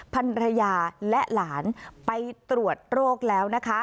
ภรรยาและหลานไปตรวจโรคแล้วนะคะ